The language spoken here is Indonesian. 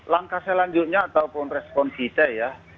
langkah selanjutnya ataupun respon kita ya